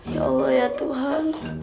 ya allah ya tuhan